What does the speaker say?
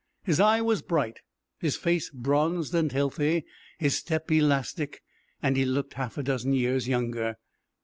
His eye was bright, his face bronzed and healthy, his step elastic, and he looked half a dozen years younger.